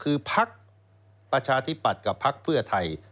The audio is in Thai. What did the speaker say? คือพักปัชธิบัตรกับพักเพื่อไทย